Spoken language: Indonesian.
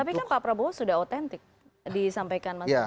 tapi kan pak prabowo sudah autentik disampaikan mas